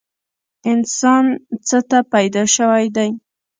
انسان څه ته پیدا شوی دی؟